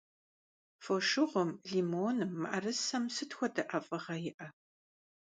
Фошыгъум, лимоным, мыӀэрысэм сыт хуэдэ ӀэфӀыгъэ иӀэ?